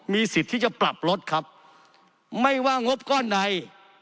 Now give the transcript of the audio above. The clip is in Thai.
มีสิทธิ์ที่จะปรับลดครับไม่ว่างบก้อนใด